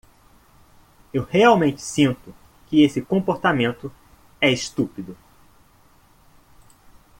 Eu realmente sinto que esse comportamento é estúpido.